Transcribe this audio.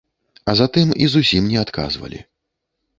А затым і зусім не адказвалі.